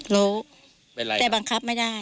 รู้แต่บังคับไม่ได้